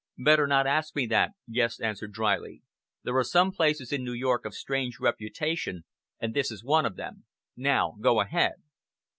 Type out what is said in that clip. "Better not ask me that," Guest answered dryly. "There are some places in New York of strange reputation, and this is one of them. Now go ahead!"